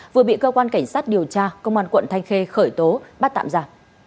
vừa bị cơ quan cảnh sát điều tra công an quận thanh khê khởi tố bắt tạm giả